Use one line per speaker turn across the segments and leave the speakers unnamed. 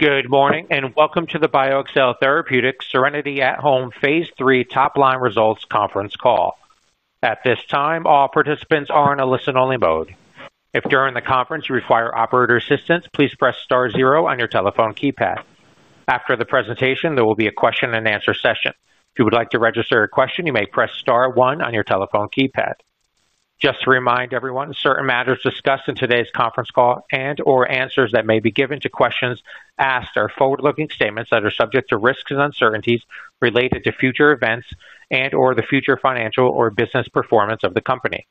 Good morning and welcome to the BioXcel Therapeutics SERENITY At-Home Phase III Top Line Results Conference Call. At this time, all participants are in a listen-only mode. If during the conference you require operator assistance, please press star zero on your telephone keypad. After the presentation, there will be a question and answer session. If you would like to register a question, you may press star one on your telephone keypad. Just to remind everyone, certain matters discussed in today's conference call and/or answers that may be given to questions asked are forward-looking statements that are subject to risks and uncertainties related to future events and/or the future financial or business performance of the company.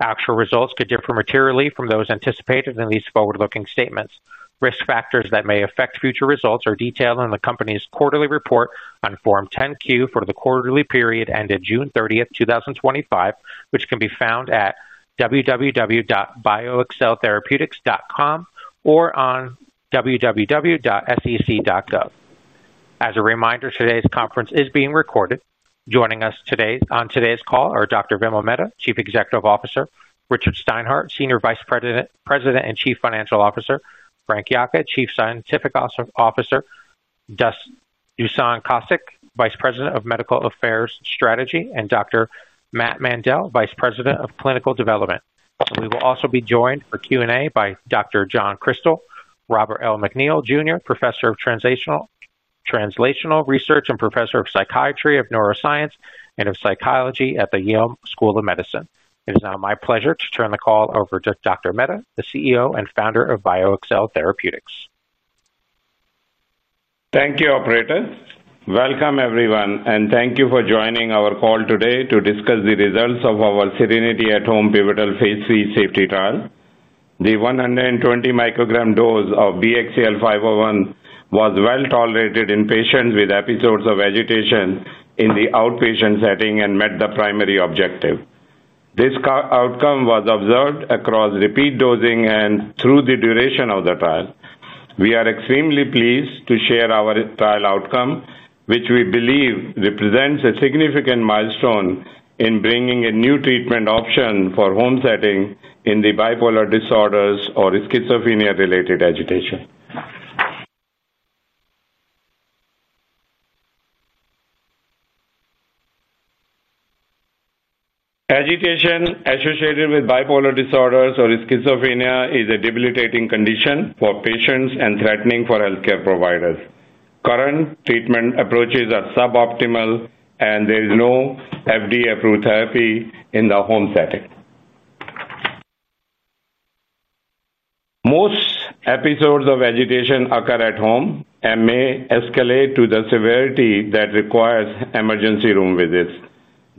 Actual results could differ materially from those anticipated in these forward-looking statements. Risk factors that may affect future results are detailed in the company's quarterly report on Form 10-Q for the quarterly period ended June 30th, 2025, which can be found at www.bioxceltherapeutics.com or on www.sec.gov. As a reminder, today's conference is being recorded. Joining us today on today's call are Dr. Vimal Mehta, Chief Executive Officer; Richard Steinhart, Senior Vice President and Chief Financial Officer; Frank Yocca, Chief Scientific Officer; Dusan Kostic, Vice President, Medical Affairs Strategy; and Dr. Matt Mandel, Vice President, Clinical Development. We will also be joined for Q&A by Dr. John Krystal, Robert L. McNeill, Jr. Professor of Translational Research and Professor of Psychiatry, Neuroscience, and Psychology at the Yale School of Medicine. It is now my pleasure to turn the call over to Dr. Mehta, the CEO and founder of BioXcel Therapeutics.
Thank you, operator. Welcome, everyone, and thank you for joining our call today to discuss the results of our SERENITY At-Home Pivotal Phase III safety trial. The 120mcg dose of BXCL501 was well tolerated in patients with episodes of agitation in the outpatient setting and met the primary objective. This outcome was observed across repeat dosing and through the duration of the trial. We are extremely pleased to share our trial outcome, which we believe represents a significant milestone in bringing a new treatment option for home setting in the bipolar disorders or schizophrenia-related agitation. Agitation associated with bipolar disorders or schizophrenia is a debilitating condition for patients and threatening for healthcare providers. Current treatment approaches are suboptimal, and there is no FDA-approved therapy in the home setting. Most episodes of agitation occur at home and may escalate to the severity that requires emergency room visits.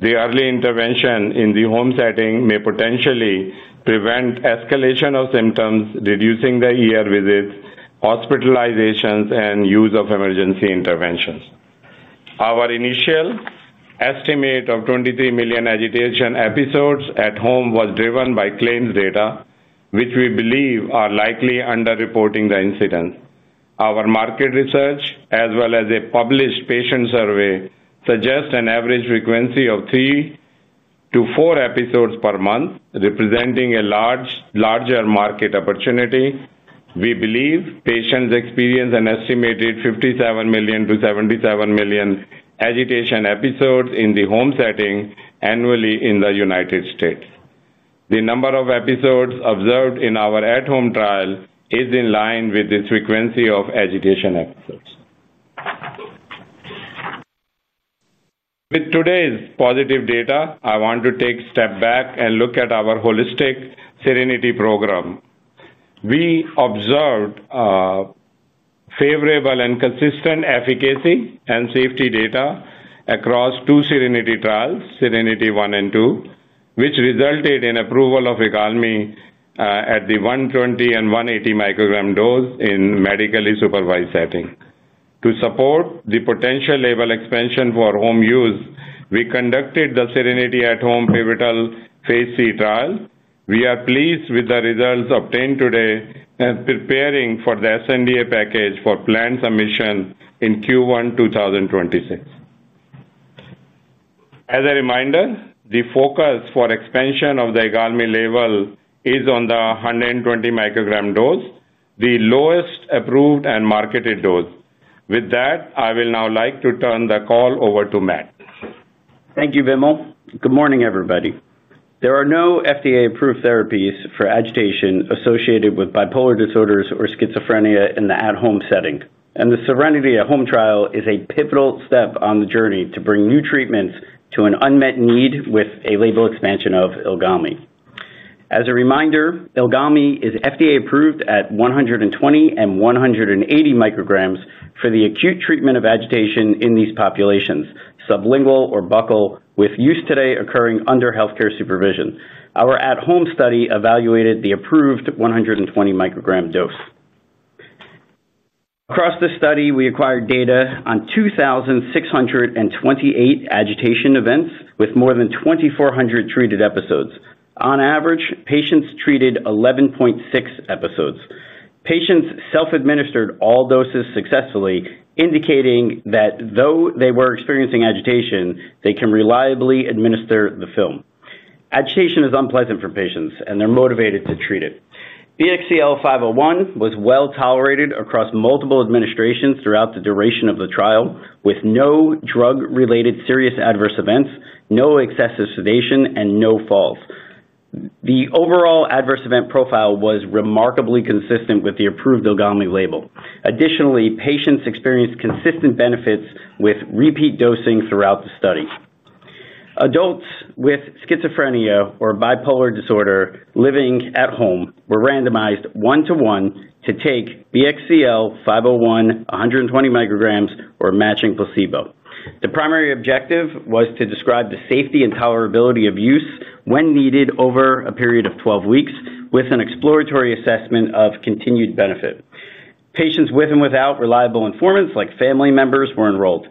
The early intervention in the home setting may potentially prevent escalation of symptoms, reducing the visits, hospitalizations, and use of emergency interventions. Our initial estimate of 23 million agitation episodes at home was driven by claims data, which we believe are likely underreporting the incidents. Our market research, as well as a published patient survey, suggests an average frequency of three to four episodes per month, representing a larger market opportunity. We believe patients experience an estimated 57 million-77 million agitation episodes in the home setting annually in the United States. The number of episodes observed in our at-home trial is in line with the frequency of agitation episodes. With today's positive data, I want to take a step back and look at our holistic SERENITY program. We observed favorable and consistent efficacy and safety data across two SERENITY trials, SERENITY II and II, which resulted in approval of IGALMI at the 120 mcg and 180 mcg dose in medically supervised settings. To support the potential label expansion for home use, we conducted the SERENITY At-Home Pivotal Phase III trial. We are pleased with the results obtained today and preparing for the sNDA package for plan submission in Q1 2026. As a reminder, the focus for expansion of the IGALMI label is on the 120mcg dose, the lowest approved and marketed dose. With that, I will now like to turn the call over to Matt.
Thank you, Vim. Good morning, everybody. There are no FDA-approved therapies for agitation associated with bipolar disorders or schizophrenia in the at-home setting, and the SERENITY At-Home trial is a pivotal step on the journey to bring new treatments to an unmet need with a label expansion of IGALMI. As a reminder, IGALMI is FDA-approved at 120 mcg and 180 mcg for the acute treatment of agitation in these populations, sublingual or buccal, with use today occurring under healthcare supervision. Our At-Home study evaluated the approved 120mcg dose. Across this study, we acquired data on 2,628 agitation events with more than 2,400 treated episodes. On average, patients treated 11.6 episodes. Patients self-administered all doses successfully, indicating that though they were experiencing agitation, they can reliably administer the film. Agitation is unpleasant for patients, and they're motivated to treat it. BXCL501 was well tolerated across multiple administrations throughout the duration of the trial, with no drug-related serious adverse events, no excessive sedation, and no falls. The overall adverse event profile was remarkably consistent with the approved IGALMI label. Additionally, patients experienced consistent benefits with repeat dosing throughout the study. Adults with schizophrenia or bipolar disorder living at home were randomized one to one to take BXCL501 120 mcg or a matching placebo. The primary objective was to describe the safety and tolerability of use when needed over a period of 12 weeks, with an exploratory assessment of continued benefit. Patients with and without reliable informants, like family members, were enrolled.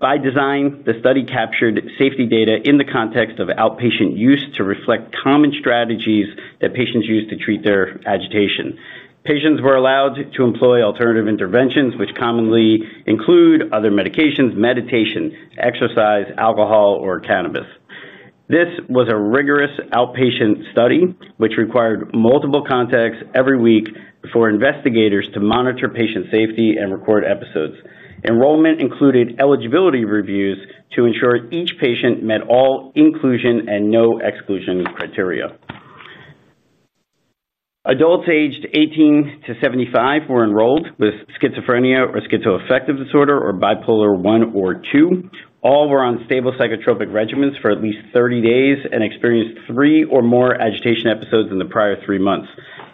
By design, the study captured safety data in the context of outpatient use to reflect common strategies that patients use to treat their agitation. Patients were allowed to employ alternative interventions, which commonly include other medications, meditation, exercise, alcohol, or cannabis. This was a rigorous outpatient study, which required multiple contacts every week for investigators to monitor patient safety and record episodes. Enrollment included eligibility reviews to ensure each patient met all inclusion and no exclusion criteria. Adults aged 18 to 75 were enrolled with schizophrenia or schizoaffective disorder or bipolar I or II. All were on stable psychotropic regimens for at least 30 days and experienced three or more agitation episodes in the prior three months.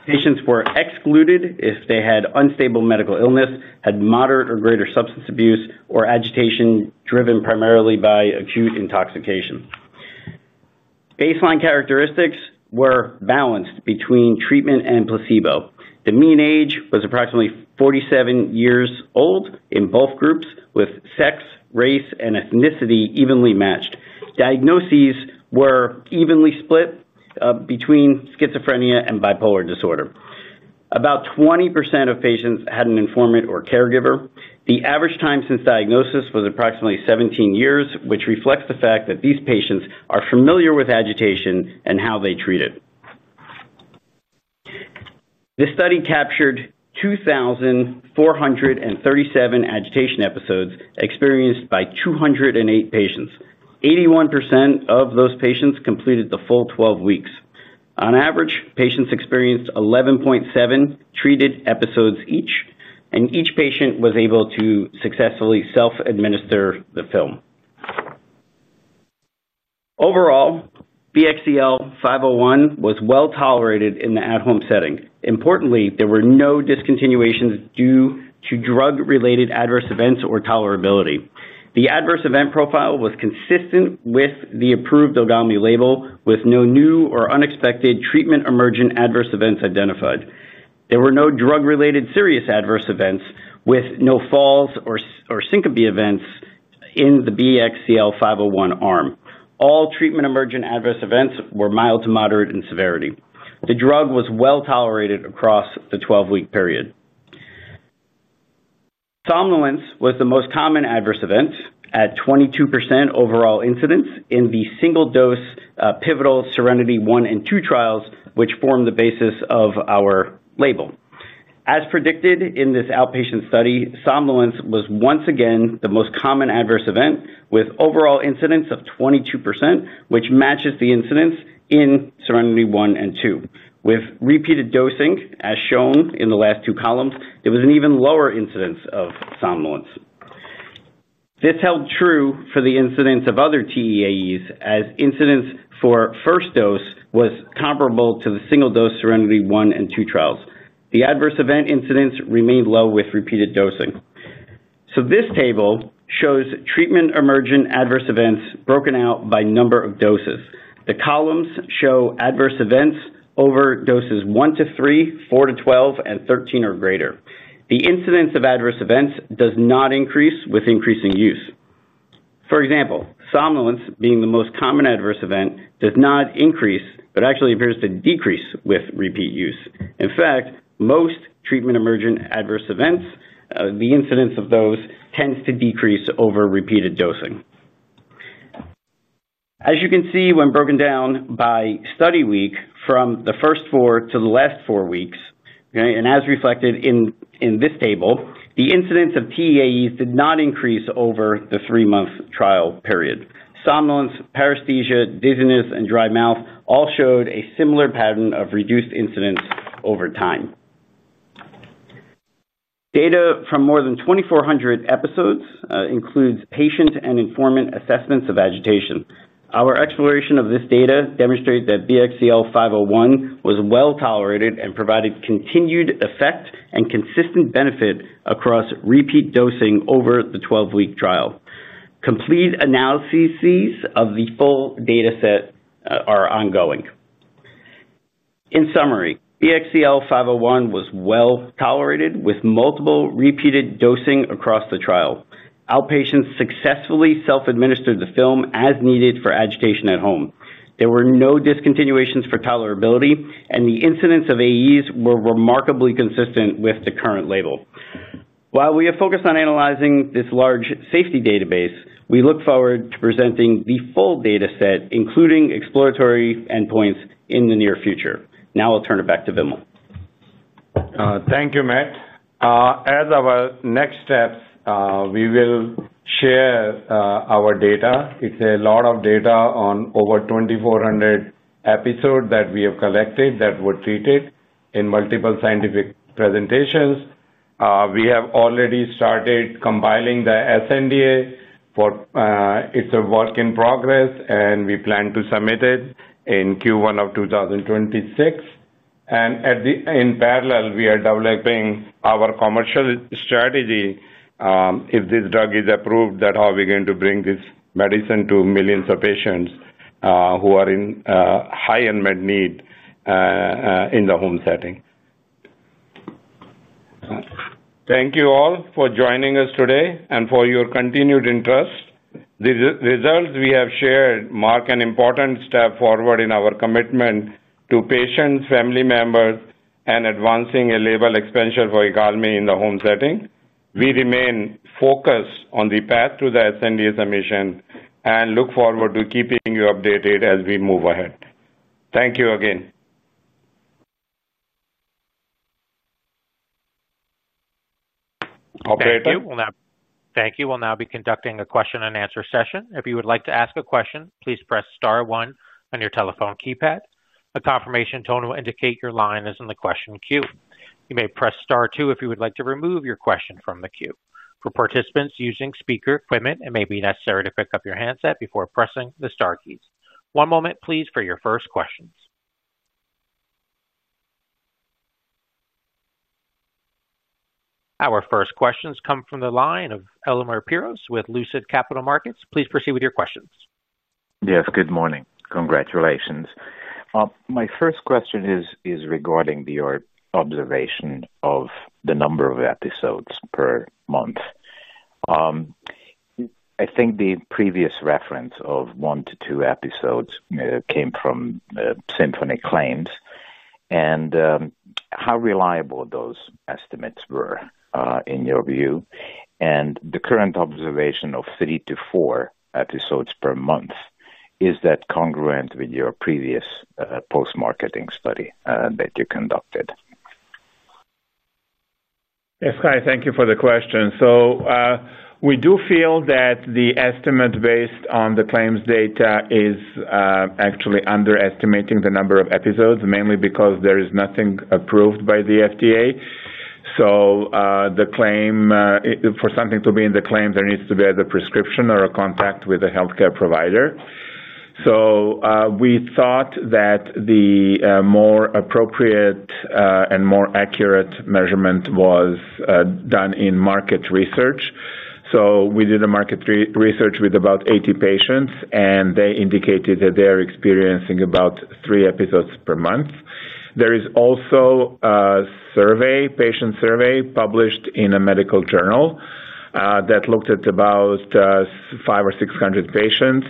Patients were excluded if they had unstable medical illness, had moderate or greater substance abuse, or agitation driven primarily by acute intoxication. Baseline characteristics were balanced between treatment and placebo. The mean age was approximately 47 years old in both groups, with sex, race, and ethnicity evenly matched. Diagnoses were evenly split between schizophrenia and bipolar disorder. About 20% of patients had an informant or caregiver. The average time since diagnosis was approximately 17 years, which reflects the fact that these patients are familiar with agitation and how they treat it. This study captured 2,437 agitation episodes experienced by 208 patients. 81% of those patients completed the full 12 weeks. On average, patients experienced 11.7 treated episodes each, and each patient was able to successfully self-administer the film. Overall, BXCL501 was well tolerated in the at-home setting. Importantly, there were no discontinuations due to drug-related adverse events or tolerability. The adverse event profile was consistent with the approved IGALMI label, with no new or unexpected treatment emergent adverse events identified. There were no drug-related serious adverse events, with no falls or syncope events in the BXCL501 arm. All treatment emergent adverse events were mild to moderate in severity. The drug was well tolerated across the 12-week period. Somnolence was the most common adverse event at 22% overall incidence in the single-dose pivotal SERENITY I and II trials, which formed the basis of our label. As predicted in this outpatient study, somnolence was once again the most common adverse event, with overall incidence of 22%, which matches the incidence in SERENITY I and II. With repeated dosing, as shown in the last two columns, there was an even lower incidence of somnolence. This held true for the incidence of other TEAEs, as incidence for first dose was comparable to the single-dose SERENITY I and II trials. The adverse event incidence remained low with repeated dosing. This table shows treatment-emergent adverse events broken out by number of doses. The columns show adverse events over doses 1 to 3, 4 to 12, and 13 or greater. The incidence of adverse events does not increase with increasing use. For example, somnolence being the most common adverse event does not increase, but actually appears to decrease with repeat use. In fact, most treatment-emergent adverse events, the incidence of those tends to decrease over repeated dosing. As you can see, when broken down by study week from the first four to the last four weeks, and as reflected in this table, the incidence of TEAEs did not increase over the three-month trial period. Somnolence, paresthesia, dizziness, and dry mouth all showed a similar pattern of reduced incidence over time. Data from more than 2,400 episodes includes patient and informant assessments of agitation. Our exploration of this data demonstrated that BXCL501 was well tolerated and provided continued effect and consistent benefit across repeat dosing over the 12-week trial. Complete analyses of the full dataset are ongoing. In summary, BXCL501 was well tolerated with multiple repeated dosing across the trial. Outpatients successfully self-administered the film as needed for agitation at home. There were no discontinuations for tolerability, and the incidence of AEs were remarkably consistent with the current label. While we have focused on analyzing this large safety database, we look forward to presenting the full dataset, including exploratory endpoints, in the near future. Now I'll turn it back to Vimal.
Thank you, Matt. As our next steps, we will share our data. It's a lot of data on over 2,400 episodes that we have collected that were treated in multiple scientific presentations. We have already started compiling the sNDA for it's a work in progress, and we plan to submit it in Q1 of 2026. In parallel, we are developing our commercial strategy. If this drug is approved, how are we going to bring this medicine to millions of patients who are in high unmet need in the home setting? Thank you all for joining us today and for your continued interest. The results we have shared mark an important step forward in our commitment to patients, family members, and advancing a label expansion for BXCL501 in the home setting. We remain focused on the path to the sNDA submission and look forward to keeping you updated as we move ahead. Thank you again.
Operator, thank you. We'll now be conducting a question and answer session. If you would like to ask a question, please press star one on your telephone keypad. A confirmation tone will indicate your line is in the question queue. You may press star two if you would like to remove your question from the queue. For participants using speaker equipment, it may be necessary to pick up your handset before pressing the star keys. One moment, please, for your first questions. Our first questions come from the line of Elemer Piros with Lucid Capital Markets. Please proceed with your questions.
Yes, good morning. Congratulations. My first question is regarding your observation of the number of episodes per month. I think the previous reference of one to two episodes came from Symphonic Claims. How reliable were those estimates in your view? The current observation of three to four episodes per month, is that congruent with your previous post-marketing study that you conducted?
Yes, hi, thank you for the question. We do feel that the estimate based on the claims data is actually underestimating the number of episodes, mainly because there is nothing approved by the FDA. For the claim for something to be in the claims, there needs to be either prescription or a contact with a healthcare provider. We thought that the more appropriate and more accurate measurement was done in market research. We did a market research with about 80 patients, and they indicated that they are experiencing about three episodes per month. There is also a patient survey published in a medical journal that looked at about 500 or 600 patients,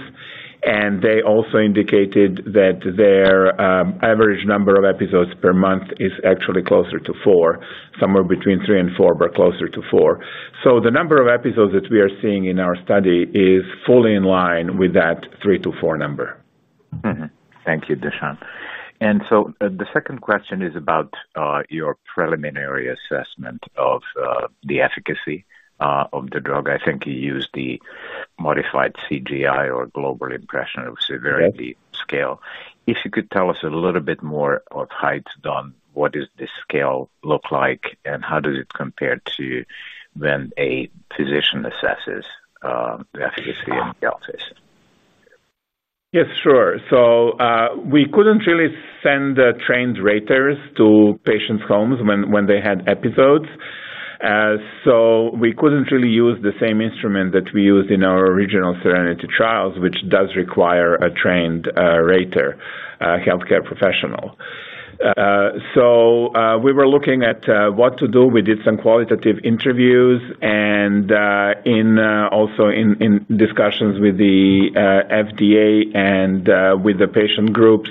and they also indicated that their average number of episodes per month is actually closer to four, somewhere between three and four, but closer to four. The number of episodes that we are seeing in our study is fully in line with that three to four number.
Thank you, Dusan. The second question is about your preliminary assessment of the efficacy of the drug. I think you used the modified CGI or Global Impression of Severity scale. If you could tell us a little bit more of how it's done, what does this scale look like, and how does it compare to when a physician assesses the efficacy in the office?
Yes, sure. We couldn't really send the trained raters to patients' homes when they had episodes. We couldn't really use the same instrument that we used in our original SERENITY trials, which does require a trained rater, a healthcare professional. We were looking at what to do. We did some qualitative interviews, and also in discussions with the FDA and with the patient groups,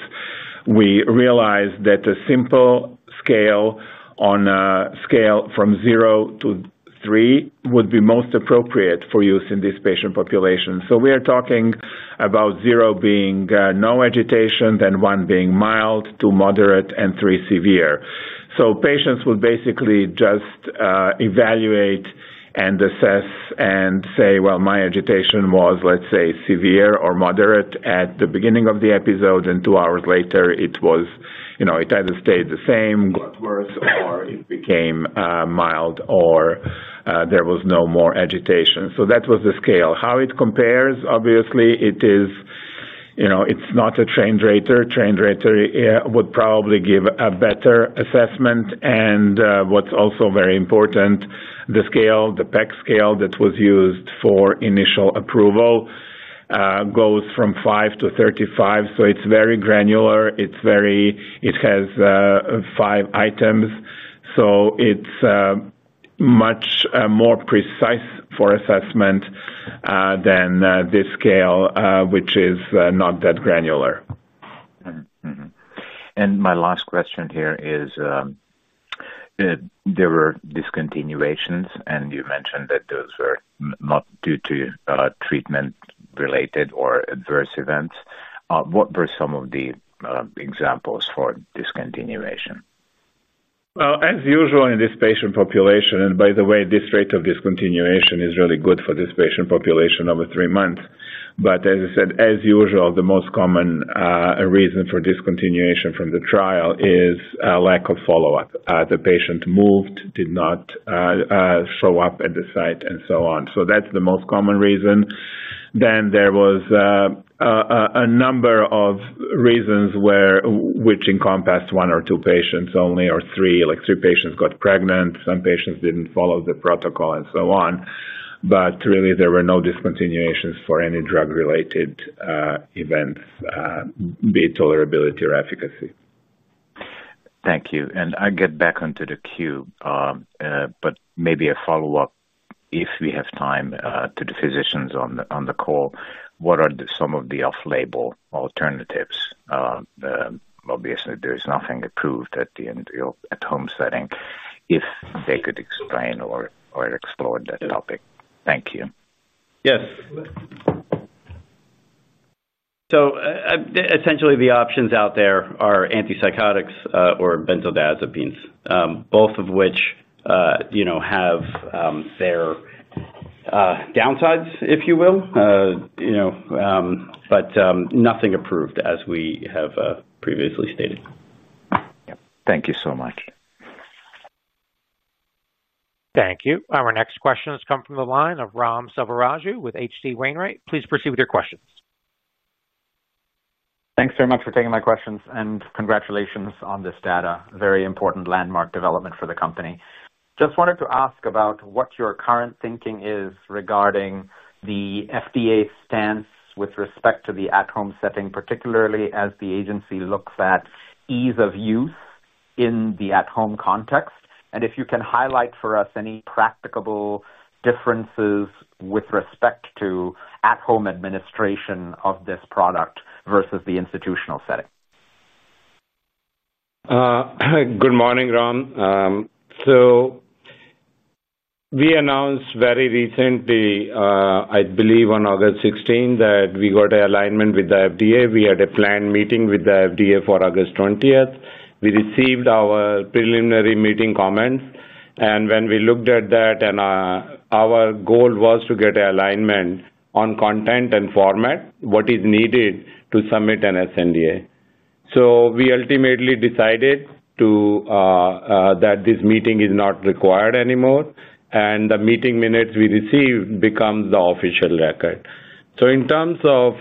we realized that a simple scale on a scale from zero to three would be most appropriate for use in this patient population. We are talking about zero being no agitation, then one being mild, two moderate, and three severe. Patients would basically just evaluate and assess and say, my agitation was, let's say, severe or moderate at the beginning of the episode, and two hours later it was, you know, it either stayed the same, got worse, or it became mild, or there was no more agitation. That was the scale. How it compares, obviously, it's not a trained rater. A trained rater would probably give a better assessment. What's also very important, the scale, the PEC scale that was used for initial approval goes from five to 35. It's very granular. It has five items. It's much more precise for assessment than this scale, which is not that granular.
My last question here is, there were discontinuations, and you mentioned that those were not due to treatment-related or adverse events. What were some of the examples for discontinuation?
As usual in this patient population, and by the way, this rate of discontinuation is really good for this patient population over three months. As I said, as usual, the most common reason for discontinuation from the trial is lack of follow-up. The patient moved, did not show up at the site, and so on. That's the most common reason. There was a number of reasons which encompassed one or two patients only, or three, like three patients got pregnant, some patients didn't follow the protocol, and so on. There were no discontinuations for any drug-related events, be it tolerability or efficacy.
Thank you. I'll get back onto the queue, but maybe a follow-up if we have time to the physicians on the call. What are some of the off-label alternatives? Obviously, there is nothing approved at the end of your at-home setting. If they could explain or explore that topic. Thank you.
Yes. Essentially, the options out there are antipsychotics or benzodiazepines, both of which, you know, have their downsides, if you will. You know, nothing approved, as we have previously stated.
Thank you so much.
Thank you. Our next question has come from the line of Ram Selvaraju with H.C. Wainwright. Please proceed with your questions.
Thanks very much for taking my questions, and congratulations on this data. Very important landmark development for the company. I just wanted to ask about what your current thinking is regarding the FDA stance with respect to the at-home setting, particularly as the agency looks at ease of use in the at-home context. If you can highlight for us any practicable differences with respect to at-home administration of this product versus the institutional setting.
Good morning, Ram. We announced very recently, I believe on August 16, that we got an alignment with the FDA. We had a planned meeting with the FDA for August 20th. We received our preliminary meeting comments, and when we looked at that, our goal was to get an alignment on content and format, what is needed to submit an sNDA. We ultimately decided that this meeting is not required anymore, and the meeting minutes we received become the official record. In terms of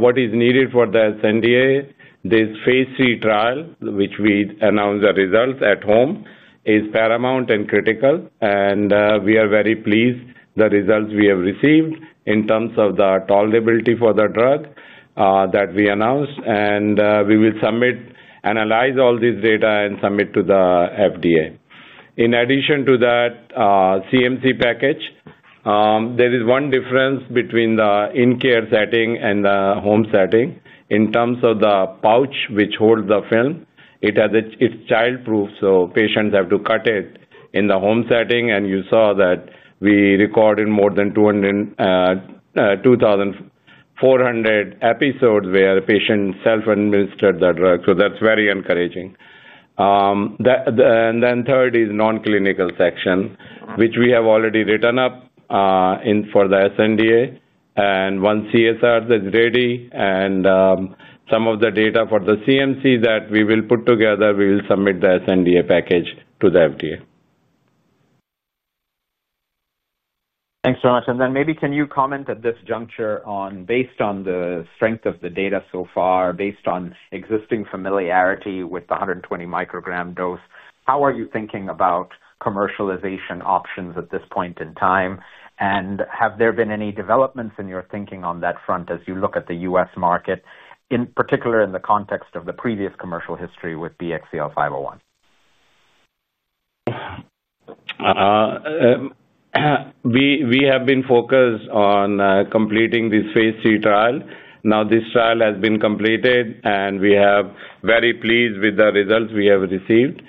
what is needed for the sNDA, this phase III trial, which we announced the results at home, is paramount and critical, and we are very pleased with the results we have received in terms of the tolerability for the drug that we announced. We will analyze all this data and submit to the FDA. In addition to that CMC package, there is one difference between the in-care setting and the home setting. In terms of the pouch which holds the film, it is child proof, so patients have to cut it in the home setting, and you saw that we recorded more than 2,400 episodes where patients self-administered the drug. That is very encouraging. Third is the non-clinical section, which we have already written up for the sNDA, and once CSR is ready, and some of the data for the CMC that we will put together, we will submit the sNDA package to the FDA.
Thank you very much. Can you comment at this juncture, based on the strength of the data so far and existing familiarity with the 120 mcg dose, how you are thinking about commercialization options at this point in time? Have there been any developments in your thinking on that front as you look at the U.S. market, particularly in the context of the previous commercial history with BXCL501?
We have been focused on completing this phase III trial. Now this trial has been completed, and we are very pleased with the results we have received.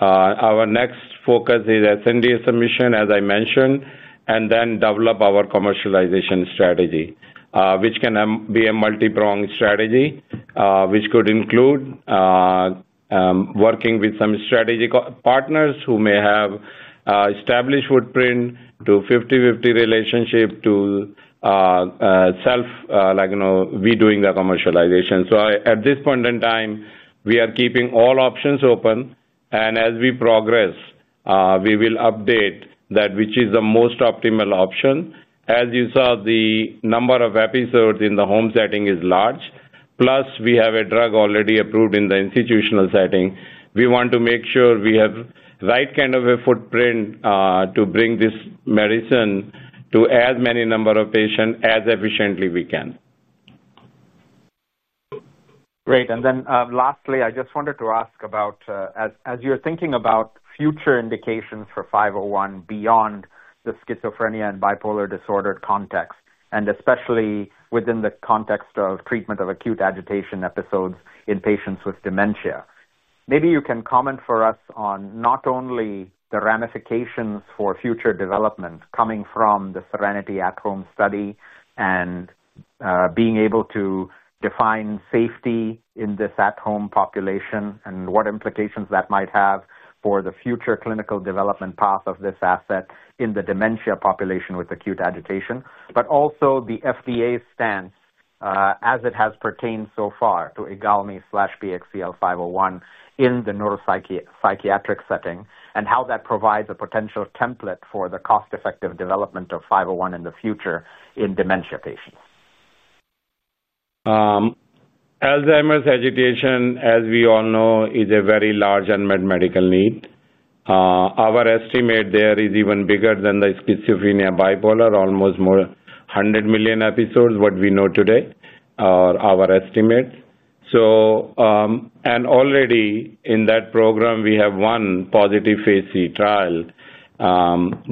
Our next focus is sNDA submission, as I mentioned, and then develop our commercialization strategy, which can be a multi-prong strategy, which could include working with some strategy partners who may have established footprint to 50/50 relationship to self-be doing the commercialization. At this point in time, we are keeping all options open, and as we progress, we will update that which is the most optimal option. As you saw, the number of episodes in the home setting is large. Plus, we have a drug already approved in the institutional setting. We want to make sure we have the right kind of a footprint to bring this medicine to as many number of patients as efficiently we can.
Great. Lastly, I just wanted to ask about, as you're thinking about future indications for BiBXCL501, beyond the schizophrenia and bipolar disorder context, and especially within the context of treatment of acute agitation episodes in patients with dementia, maybe you can comment for us on not only the ramifications for future development coming from the SERENITY At-Home trial and being able to define safety in this at-home population and what implications that might have for the future clinical development path of this asset in the dementia population with acute agitation, but also the FDA stance as it has pertained so far to BXCL501, in the neuropsychiatric setting and how that provides a potential template for the cost-effective development of BXCL501, in the future in dementia patients.
Alzheimer's agitation, as we all know, is a very large unmet medical need. Our estimate there is even bigger than the schizophrenia bipolar, almost more than 100 million episodes, what we know today are our estimates. Already in that program, we have one positive phase III trial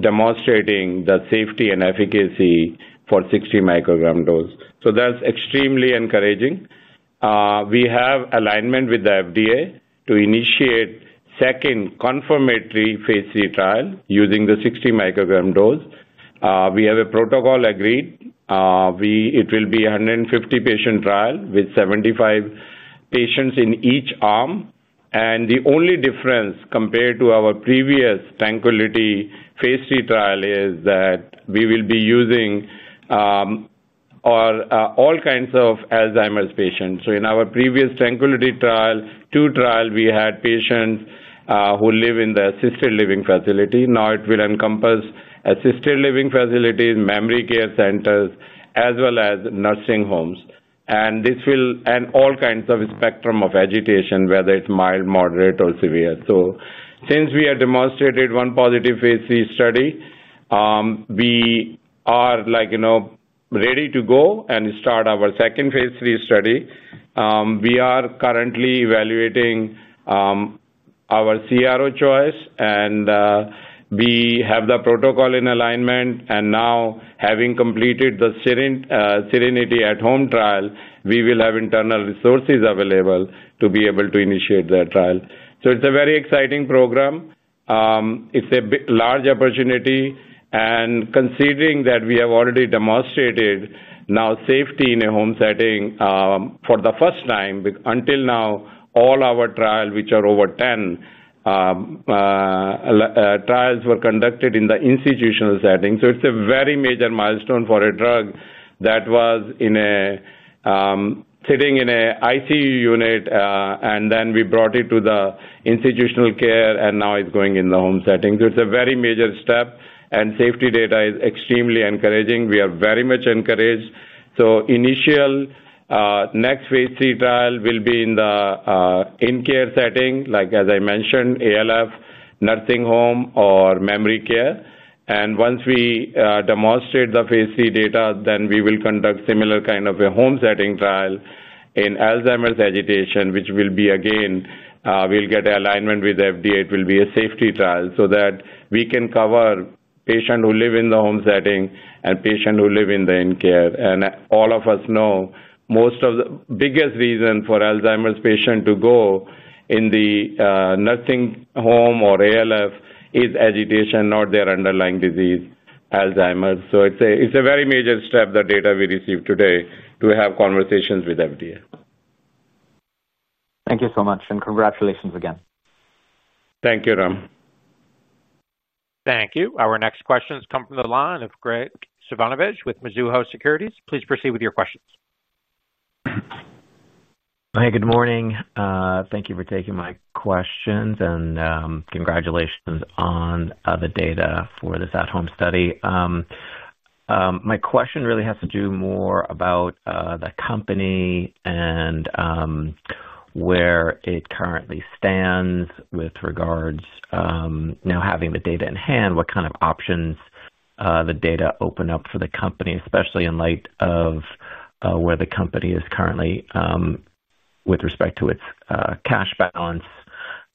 demonstrating the safety and efficacy for 60 mcg dose. That's extremely encouraging. We have alignment with the FDA to initiate a second confirmatory phase III trial using the 60 mcg dose. We have a protocol agreed. It will be a 150-patient trial with 75 patients in each arm. The only difference compared to our previous TRANQUILITY phase III trial is that we will be using all kinds of Alzheimer's patients. In our previous TRANQUILITY trial, two trials, we had patients who live in the assisted living facility. Now it will encompass assisted living facilities, memory care centers, as well as nursing homes. This will include all kinds of spectrum of agitation, whether it's mild, moderate, or severe. Since we have demonstrated one positive phase III study, we are ready to go and start our second phase III study. We are currently evaluating our CRO choice, and we have the protocol in alignment. Now, having completed the SERENITY At-Home trial, we will have internal resources available to be able to initiate that trial. It's a very exciting program. It's a large opportunity. Considering that we have already demonstrated now safety in a home setting for the first time, until now, all our trials, which are over 10 trials, were conducted in the institutional setting. It's a very major milestone for a drug that was sitting in an ICU unit, and then we brought it to the institutional care, and now it's going in the home setting. It's a very major step, and safety data is extremely encouraging. We are very much encouraged. The initial next phase III trial will be in the in-care setting, like as I mentioned, ALF, nursing home, or memory care. Once we demonstrate the phase III data, then we will conduct a similar kind of a home setting trial in Alzheimer's agitation, which will be again, we'll get an alignment with the FDA. It will be a safety trial so that we can cover patients who live in the home setting and patients who live in the in-care. All of us know most of the biggest reason for Alzheimer's patients to go in the nursing home or ALF is agitation, not their underlying disease, Alzheimer's. It's a very major step, the data we received today, to have conversations with the FDA.
Thank you so much, and congratulations again.
Thank you, Ram.
Thank you. Our next questions come from the line of Gregg Moskowitz with Mizuho Securities. Please proceed with your questions.
Hi, good morning. Thank you for taking my questions and congratulations on the data for this at-home study. My question really has to do more about the company and where it currently stands with regards now having the data in hand, what kind of options the data open up for the company, especially in light of where the company is currently with respect to its cash balance,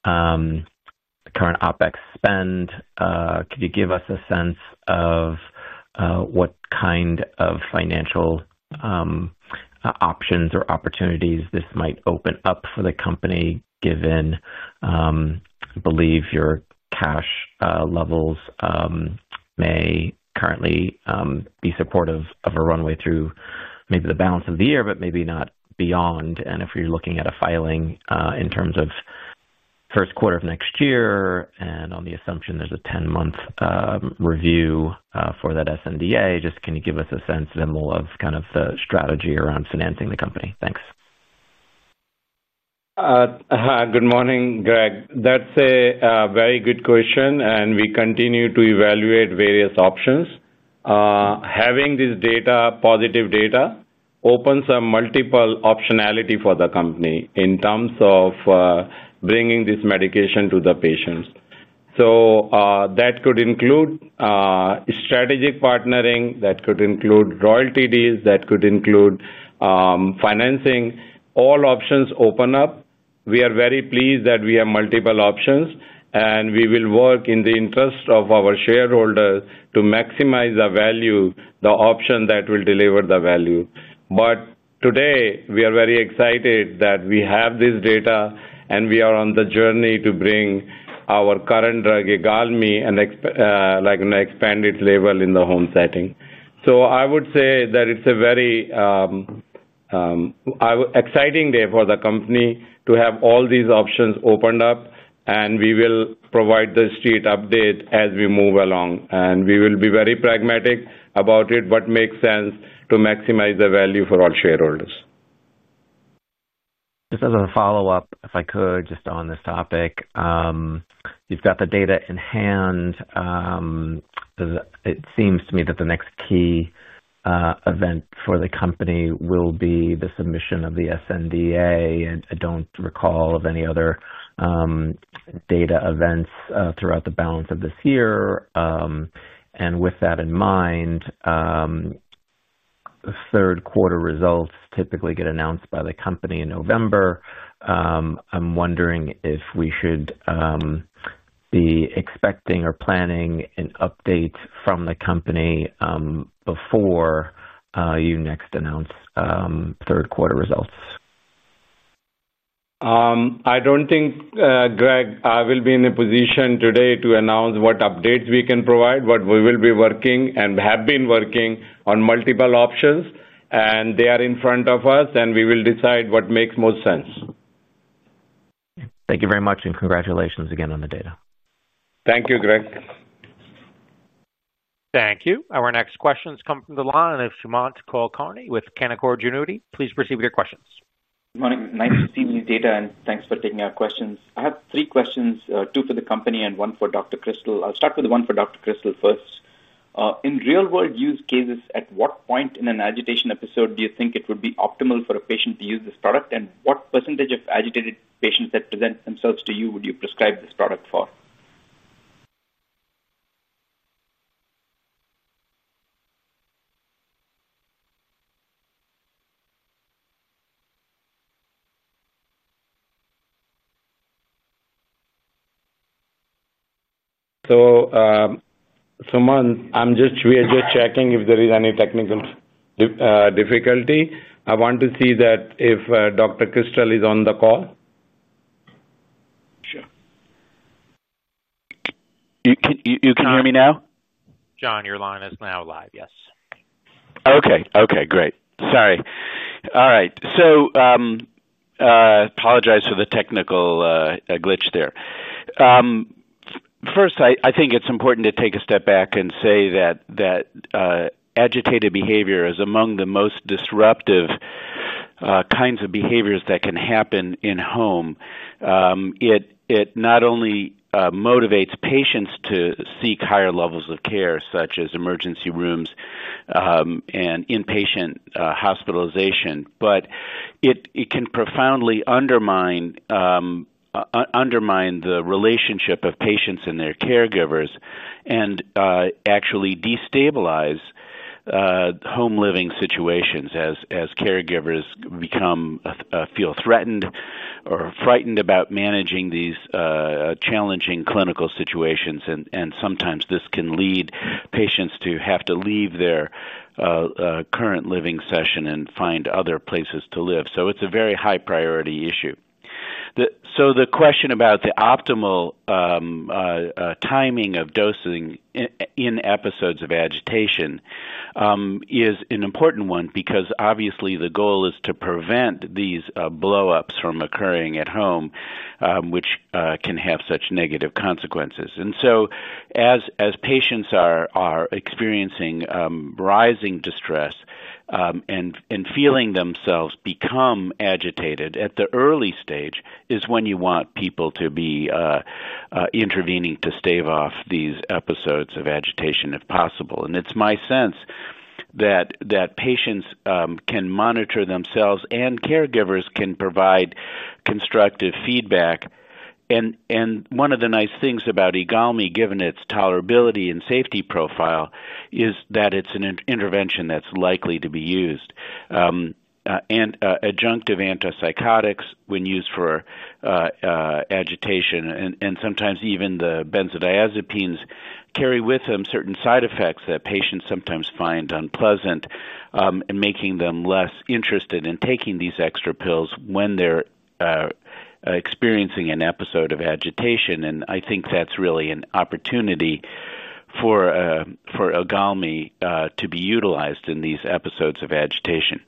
current OpEx spend. Could you give us a sense of what kind of financial options or opportunities this might open up for the company, given I believe your cash levels may currently be supportive of a runway through maybe the balance of the year, but maybe not beyond. If you're looking at a filing in terms of the first quarter of next year and on the assumption there's a 10-month review for that sNDA, just can you give us a sense, Vimal, of kind of the strategy around financing the company? Thanks.
Hi, good morning, Gregg. That's a very good question, and we continue to evaluate various options. Having this data, positive data, opens up multiple optionality for the company in terms of bringing this medication to the patients. That could include strategic partnering, that could include royalty deals, that could include financing. All options open up. We are very pleased that we have multiple options, and we will work in the interest of our shareholders to maximize the value, the option that will deliver the value. Today, we are very excited that we have this data, and we are on the journey to bring our current drug, IGALMI, and expand its label in the home setting. I would say that it's a very exciting day for the company to have all these options opened up, and we will provide the street update as we move along. We will be very pragmatic about it, what makes sense to maximize the value for all shareholders.
Just as a follow-up, if I could, just on this topic, you've got the data in hand. It seems to me that the next key event for the company will be the submission of the sNDA. I don't recall any other data events throughout the balance of this year. With that in mind, third quarter results typically get announced by the company in November. I'm wondering if we should be expecting or planning an update from the company before you next announce third quarter results.
I don't think, Gregg, I will be in a position today to announce what updates we can provide. We will be working and have been working on multiple options, and they are in front of us, and we will decide what makes most sense.
Thank you very much, and congratulations again on the data.
Thank you, Gregg.
Thank you. Our next questions come from the line of Sumant Kulkarni with Canaccord Genuity. Please proceed with your questions.
Good morning. Nice to see these data, and thanks for taking our questions. I have three questions, two for the company and one for Dr. Krystal. I'll start with the one for Dr. Krystal first. In real-world use cases, at what point in an agitation episode do you think it would be optimal for a patient to use this product, and what percentage of agitated patients that present themselves to you would you prescribe this product for?
Sumant, we are just checking if there is any technical difficulty. I want to see if Dr. Krystal is on the call.
Sure. Can you hear me now?
John, your line is now live, yes.
Okay, great. Sorry. All right. I apologize for the technical glitch there. First, I think it's important to take a step back and say that agitated behavior is among the most disruptive kinds of behaviors that can happen in home. It not only motivates patients to seek higher levels of care, such as emergency rooms and inpatient hospitalization, but it can profoundly undermine the relationship of patients and their caregivers and actually destabilize home living situations as caregivers feel threatened or frightened about managing these challenging clinical situations. Sometimes this can lead patients to have to leave their current living session and find other places to live. It's a very high-priority issue. The question about the optimal timing of dosing in episodes of agitation is an important one because obviously the goal is to prevent these blow-ups from occurring at home, which can have such negative consequences. As patients are experiencing rising distress and feeling themselves become agitated at the early stage is when you want people to be intervening to stave off these episodes of agitation if possible. It's my sense that patients can monitor themselves and caregivers can provide constructive feedback. One of the nice things about IGALMI, given its tolerability and safety profile, is that it's an intervention that's likely to be used. Adjunctive antipsychotics, when used for agitation, and sometimes even the benzodiazepines carry with them certain side effects that patients sometimes find unpleasant and making them less interested in taking these extra pills when they're experiencing an episode of agitation. I think that's really an opportunity for IGALMI to be utilized in these episodes of agitation.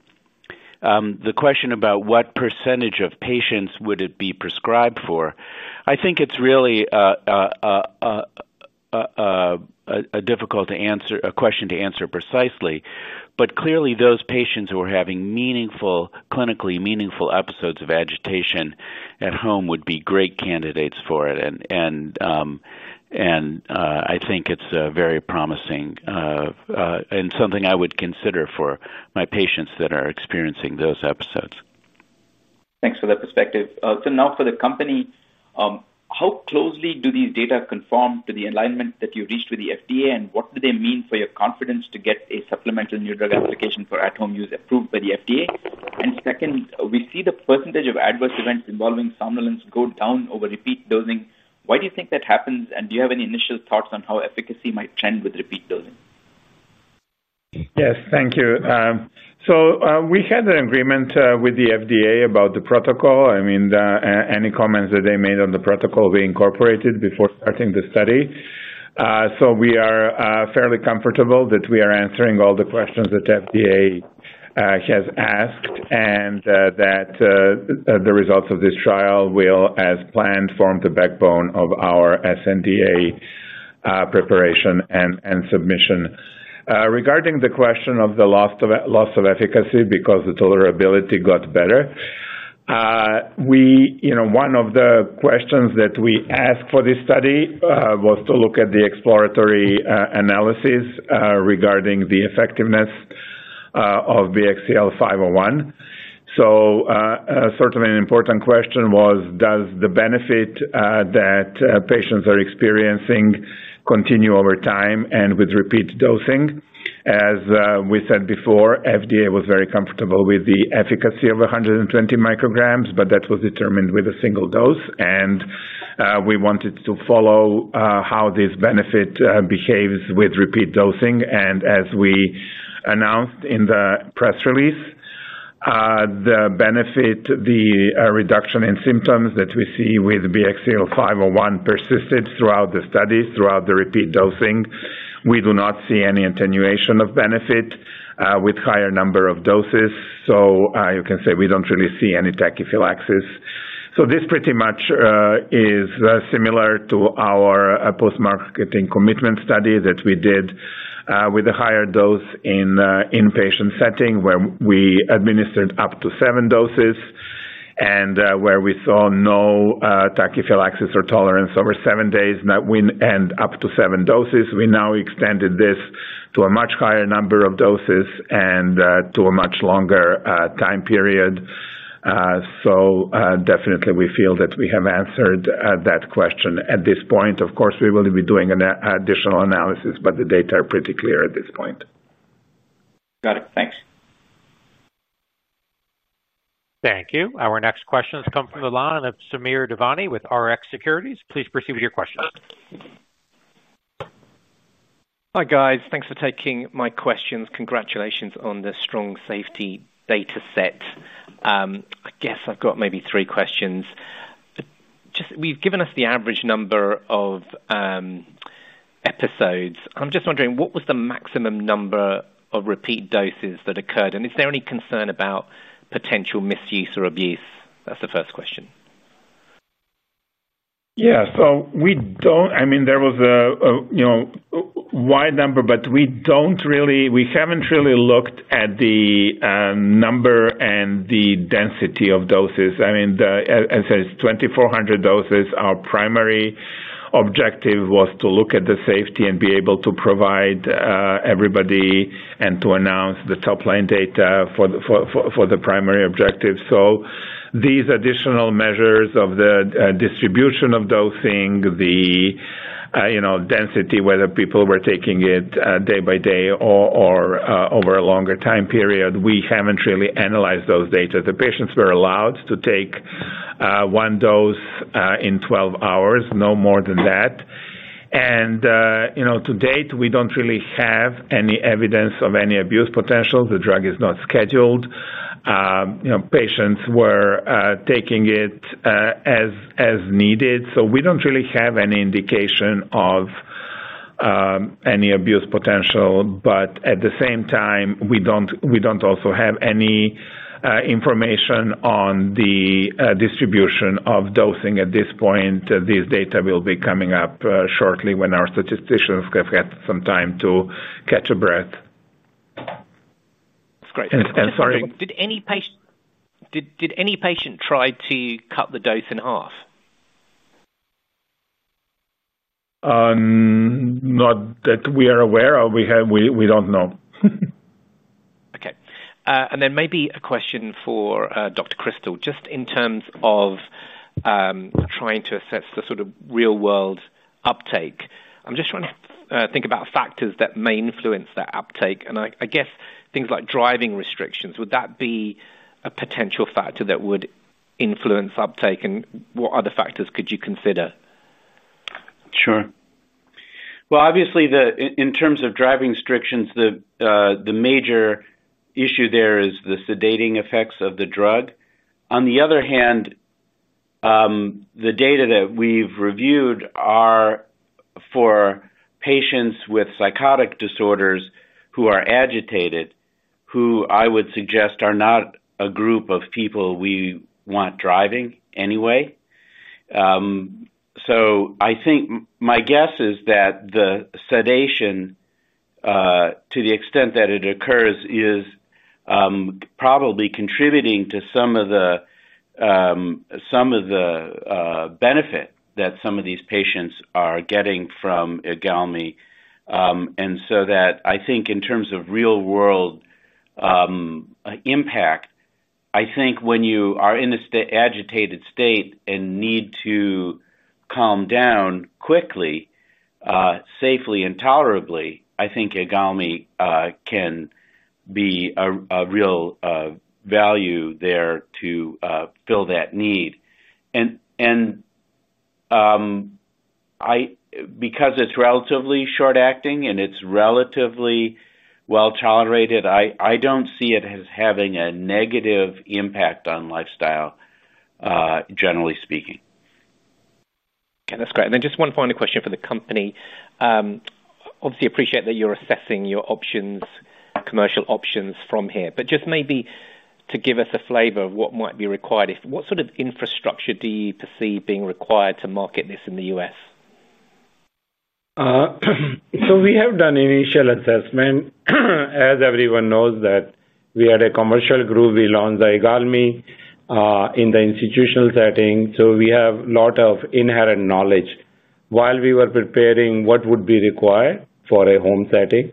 The question about what % of patients would it be prescribed for, I think it's really a difficult question to answer precisely. Clearly, those patients who are having meaningful, clinically meaningful episodes of agitation at home would be great candidates for it. I think it's very promising and something I would consider for my patients that are experiencing those episodes.
Thank you for that perspective. For the company, how closely do these data conform to the alignment that you reached with the FDA? What do they mean for your confidence to get a supplemental new drug application for at-home use approved by the FDA? We see the percentage of adverse events involving somnolence go down over repeat dosing. Why do you think that happens? Do you have any initial thoughts on how efficacy might trend with repeat dosing?
Yes, thank you. We had an agreement with the FDA about the protocol. Any comments that they made on the protocol we incorporated before starting the study. We are fairly comfortable that we are answering all the questions that the FDA has asked and that the results of this trial will, as planned, form the backbone of our sNDA preparation and submission. Regarding the question of the loss of efficacy because the tolerability got better, one of the questions that we asked for this study was to look at the exploratory analysis regarding the effectiveness of BioXcel Therapeutics. Certainly an important question was, does the benefit that patients are experiencing continue over time and with repeat dosing? As we said before, the FDA was very comfortable with the efficacy of 120mcgs, but that was determined with a single dose. We wanted to follow how this benefit behaves with repeat dosing. As we announced in the press release, the benefit, the reduction in symptoms that we see with BXCL501, persisted throughout the studies, throughout the repeat dosing. We do not see any attenuation of benefit with a higher number of doses. You can say we do not really see any tachyphylaxis. This is similar to our post-marketing commitment study that we did with a higher dose in an inpatient setting where we administered up to seven doses and where we saw no tachyphylaxis or tolerance over seven days. Up to seven doses, we now extended this to a much higher number of doses and to a much longer time period. We feel that we have answered that question at this point. Of course, we will be doing an additional analysis, but the data are pretty clear at this point.
Got it. Thanks.
Thank you. Our next questions come from the line of Samir Devani with Rx Securities. Please proceed with your question.
Hi guys, thanks for taking my questions. Congratulations on the strong safety data set. I guess I've got maybe three questions. Just, you've given us the average number of episodes. I'm just wondering what was the maximum number of repeat doses that occurred, and is there any concern about potential misuse or abuse? That's the first question.
Yeah, we don't, I mean, there was a wide number, but we don't really, we haven't really looked at the number and the density of doses. I mean, as I said, it's 2,400 doses. Our primary objective was to look at the safety and be able to provide everybody and to announce the top line data for the primary objective. These additional measures of the distribution of dosing, the density, whether people were taking it day by day or over a longer time period, we haven't really analyzed those data. The patients were allowed to take one dose in 12 hours, no more than that. To date, we don't really have any evidence of any abuse potential. The drug is not scheduled. Patients were taking it as needed. We don't really have any indication of any abuse potential, but at the same time, we don't also have any information on the distribution of dosing at this point. This data will be coming up shortly when our statisticians have had some time to catch a breath.
That's great.
And sorry.
Did any patient try to cut the dose in half?
Not that we are aware of. We don't know.
Okay. Maybe a question for Dr. Krystal, just in terms of trying to assess the sort of real-world uptake. I'm just trying to think about factors that may influence that uptake. I guess things like driving restrictions, would that be a potential factor that would influence uptake? What other factors could you consider?
Sure. Obviously, in terms of driving restrictions, the major issue there is the sedating effects of the drug. On the other hand, the data that we've reviewed are for patients with psychotic disorders who are agitated, who I would suggest are not a group of people we want driving anyway. I think my guess is that the sedation, to the extent that it occurs, is probably contributing to some of the benefit that some of these patients are getting from IGALMI. I think in terms of real-world impact, when you are in an agitated state and need to calm down quickly, safely, and tolerably, I think IGALMI can be a real value there to fill that need. Because it's relatively short-acting and it's relatively well tolerated, I don't see it as having a negative impact on lifestyle, generally speaking.
That's great. Just one final question for the company. Obviously, I appreciate that you're assessing your options, commercial options from here, but just maybe to give us a flavor of what might be required, what sort of infrastructure do you perceive being required to market this in the U.S.?
We have done an initial assessment. As everyone knows, we are a commercial group. We launched IGALMI in the institutional setting, so we have a lot of inherent knowledge. While we were preparing what would be required for a home setting,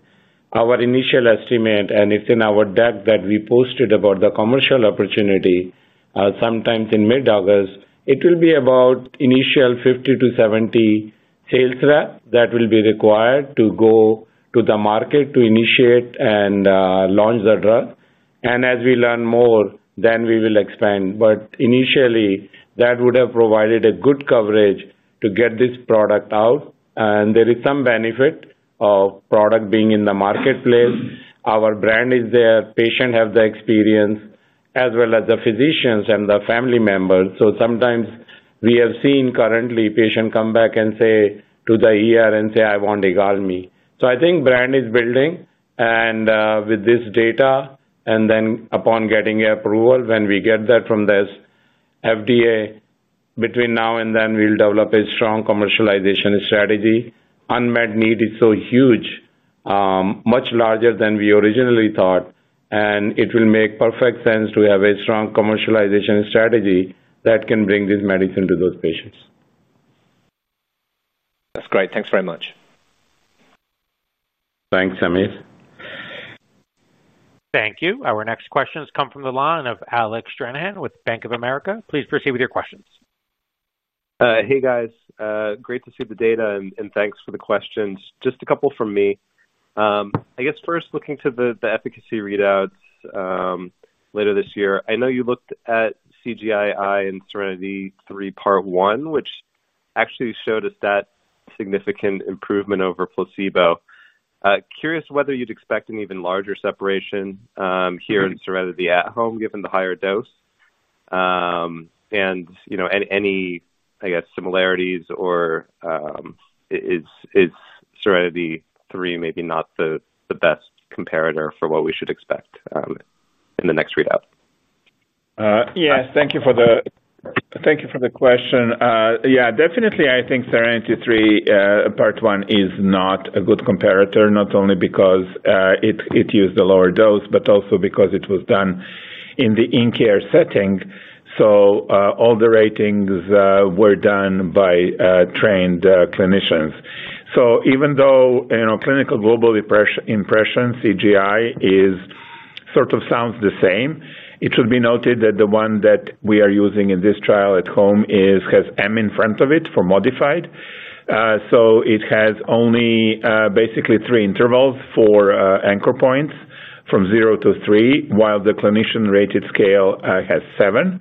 our initial estimate, and it's in our deck that we posted about the commercial opportunity sometime in mid-August, it will be about an initial 50-70 sales reps that will be required to go to the market to initiate and launch the drug. As we learn more, then we will expand. Initially, that would have provided a good coverage to get this product out. There is some benefit of the product being in the marketplace. Our brand is there. Patients have the experience, as well as the physicians and the family members. Sometimes we have seen currently patients come back and say, "I want IGALMI." I think the brand is building. With this data, and then upon getting approval, when we get that from the FDA, between now and then, we'll develop a strong commercialization strategy. Unmet need is so huge, much larger than we originally thought. It will make perfect sense to have a strong commercialization strategy that can bring this medicine to those patients.
That's great. Thanks very much.
Thanks, Samir.
Thank you. Our next questions come from the line of Alec Stranahan with Bank of America. Please proceed with your questions.
Hey guys, great to see the data and thanks for the questions. Just a couple from me. I guess first looking to the efficacy readouts later this year, I know you looked at CGI-I and SERENITY III Part 1, which actually showed a significant improvement over placebo. Curious whether you'd expect an even larger separation here in SERENITY At-Home, given the higher dose. You know, any similarities or is SERENITY III maybe not the best comparator for what we should expect in the next readout?
Yes, thank you for the question. Definitely I think SERENITY At-Home trial Part 1 is not a good comparator, not only because it used a lower dose, but also because it was done in the in-care setting. All the ratings were done by trained clinicians. Even though Clinical Global Impression, CGI, sort of sounds the same, it should be noted that the one that we are using in this trial at home has M in front of it for modified. It has only basically three intervals for anchor points from zero to three, while the clinician-rated scale has seven.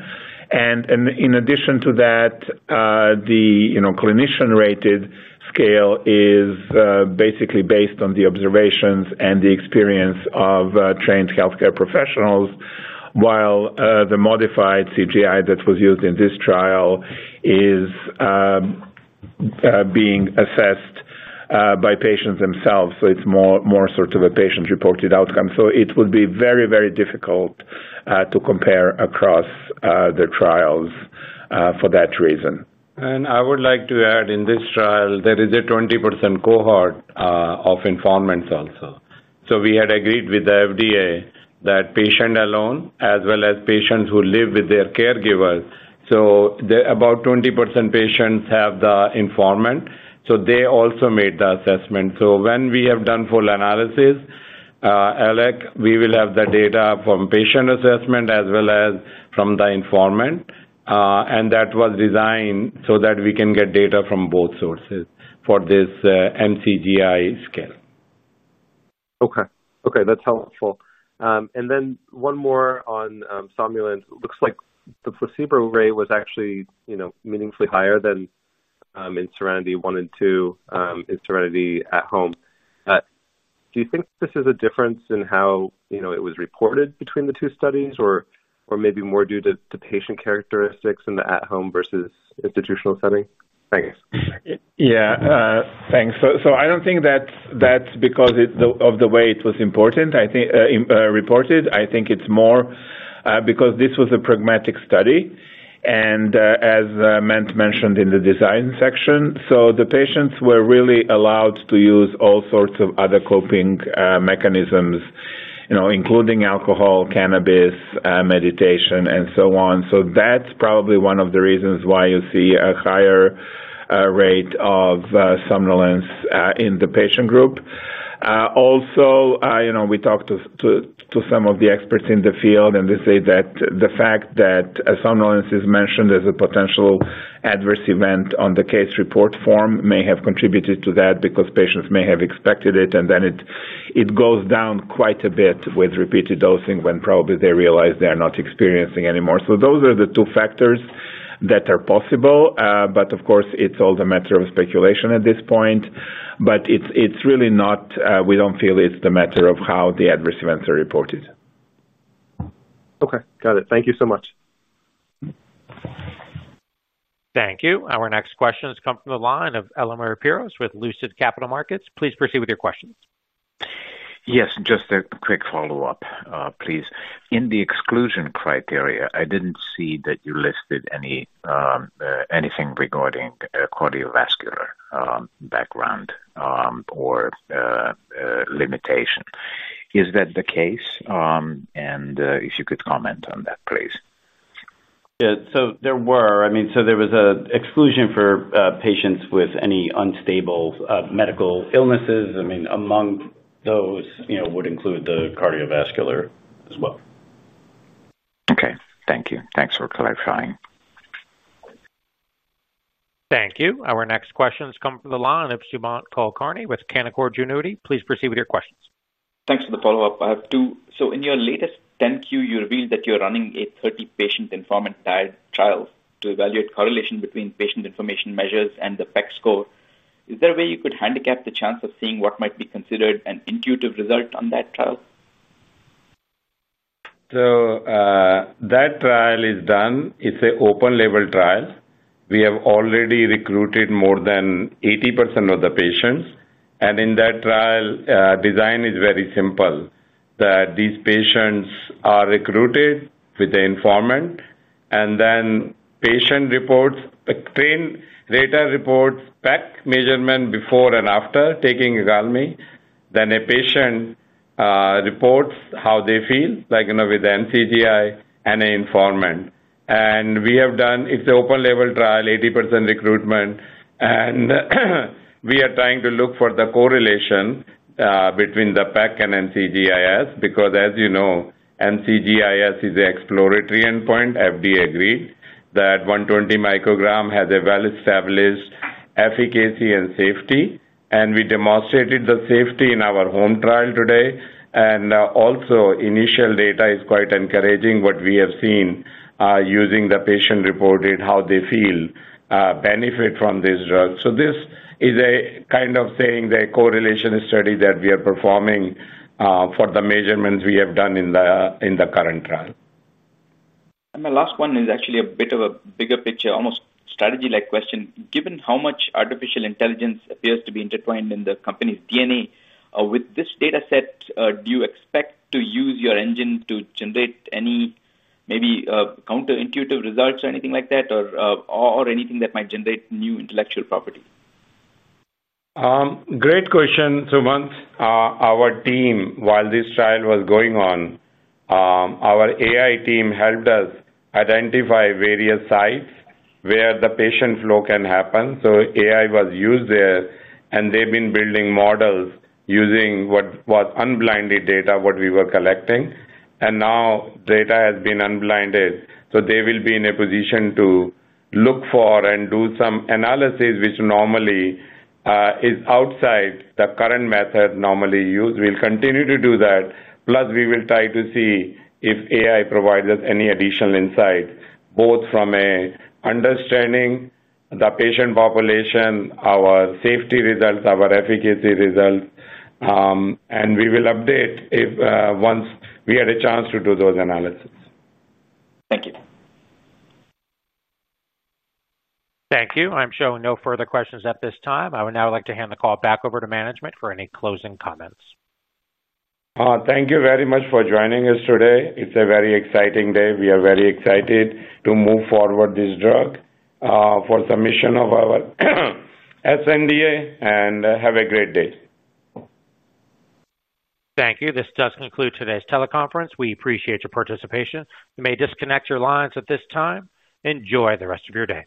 In addition to that, the clinician-rated scale is basically based on the observations and the experience of trained healthcare professionals, while the modified CGI that was used in this trial is being assessed by patients themselves. It is more sort of a patient-reported outcome. It would be very, very difficult to compare across the trials for that reason.
I would like to add in this trial there is a 20% cohort of informants also. We had agreed with the FDA that patients alone, as well as patients who live with their caregivers, so about 20% patients have the informant. They also made the assessment. When we have done full analysis, Alec, we will have the data from patient assessment as well as from the informant. That was designed so that we can get data from both sources for this MCGI scale.
Okay, that's helpful. One more on somnolence. It looks like the placebo rate was actually meaningfully higher than in SERENITY I and II in the SERENITY At-Home trial. Do you think this is a difference in how it was reported between the two studies, or maybe more due to patient characteristics in the at-home versus institutional setting? I guess.
Yeah, thanks. I don't think that's because of the way it was reported. I think it's more because this was a pragmatic study. As Matt mentioned in the design section, the patients were really allowed to use all sorts of other coping mechanisms, including alcohol, cannabis, meditation, and so on. That's probably one of the reasons why you see a higher rate of somnolence in the patient group. Also, we talked to some of the experts in the field, and they say that the fact that somnolence is mentioned as a potential adverse event on the case report form may have contributed to that because patients may have expected it, and then it goes down quite a bit with repeated dosing when probably they realize they are not experiencing it anymore. Those are the two factors that are possible. Of course, it's all a matter of speculation at this point. It's really not, we don't feel it's the matter of how the adverse events are reported.
Okay, got it. Thank you so much.
Thank you. Our next questions come from the line of Elemer Piros with Lucid Capital Markets. Please proceed with your questions.
Yes, just a quick follow-up, please. In the exclusion criteria, I didn't see that you listed anything regarding cardiovascular background or limitation. Is that the case? If you could comment on that, please.
Yeah, there was an exclusion for patients with any unstable medical illnesses. Among those would include the cardiovascular as well.
Okay, thank you. Thanks for clarifying.
Thank you. Our next questions come from the line of Sumant Kulkarni with Canaccord Genuity. Please proceed with your questions.
Thanks for the follow-up. I have two. In your latest 10-Q, you revealed that you're running a 30-patient informant-tied trial to evaluate correlation between patient information measures and the PEC score. Is there a way you could handicap the chance of seeing what might be considered an intuitive result on that trial?
That trial is done. It's an open-label trial. We have already recruited more than 80% of the patients. In that trial, design is very simple that these patients are recruited with the informant, and then patient reports, trained data reports, PEC measurement before and after taking IGALMI. Then a patient reports how they feel, like you know, with the NCGI and an informant. We have done, it's an open-label trial, 80% recruitment. We are trying to look for the correlation between the PEC and NCGIS because, as you know, NCGIS is an exploratory endpoint. FDA agreed that 120 mcg has a well-established efficacy and safety. We demonstrated the safety in our home trial today. Also, initial data is quite encouraging. What we have seen using the patient reported how they feel benefit from this drug. This is a kind of saying the correlation study that we are performing for the measurements we have done in the current trial.
My last one is actually a bit of a bigger picture, almost strategy-like question. Given how much artificial intelligence appears to be intertwined in the company's DNA, with this data set, do you expect to use your engine to generate any maybe counterintuitive results or anything like that, or anything that might generate new intellectual property?
Great question. Once our team, while this trial was going on, our AI team helped us identify various sites where the patient flow can happen. AI was used there, and they've been building models using what unblinded data, what we were collecting. Now data has been unblinded. They will be in a position to look for and do some analysis, which normally is outside the current method normally used. We'll continue to do that. Plus, we will try to see if AI provides us any additional insight, both from understanding the patient population, our safety results, our efficacy results. We will update once we had a chance to do those analysis.
Thank you.
Thank you. I'm showing no further questions at this time. I would now like to hand the call back over to management for any closing comments.
Thank you very much for joining us today. It's a very exciting day. We are very excited to move forward this drug for the submission of our s NDA. Have a great day.
Thank you. This does conclude today's teleconference. We appreciate your participation. You may disconnect your lines at this time. Enjoy the rest of your day.